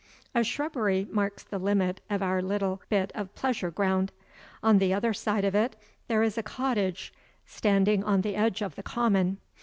A shrubbery marks the limit of our little bit of pleasure ground. On the other side of it there is a cottage standing on the edge of the common.